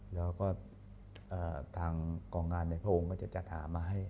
แล้วก็ทางกองงานในพระองค์ก็จะจัดหามาให้